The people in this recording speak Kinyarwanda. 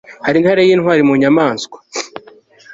hari intare y'intwari mu nyamaswa